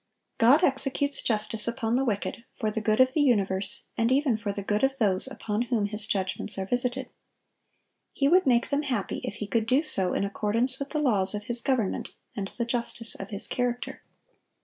God executes justice upon the wicked, for the good of the universe, and even for the good of those upon whom His judgments are visited. He would make them happy if He could do so in accordance with the laws of His government and the justice of His character.